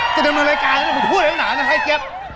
ก็เป็นมารายการถูดแนวหนานะฮะพายเจ็บ